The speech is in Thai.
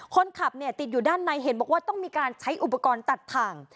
คนขับเนี่ยติดอยู่ด้านในเห็นบอกว่าต้องมีการใช้อุปกรณ์ตัดถ่าง